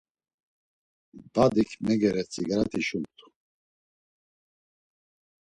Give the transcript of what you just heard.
Badik mengere dzigarati şumt̆u.